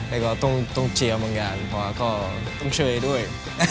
แล้วก็ต้องเชียร์บางงานเพราะก็ต้องเชื่อด้วย